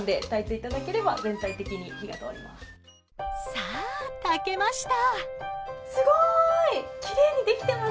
さあ、炊けました！